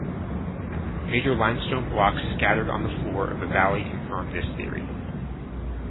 Major limestone blocks scattered on the floor of the valley confirm this theory.